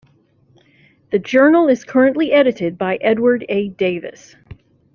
The journal is currently edited by Edward A. Davis.